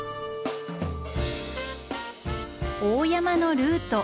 大山のルート。